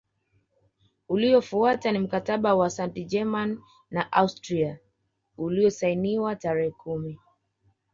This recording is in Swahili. Uliofuata ni Mkataba wa Sant Germain na Austria uliosainiwa tarehe kumi